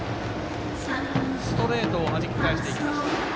ストレートをはじき返していきました。